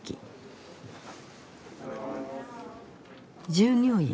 従業員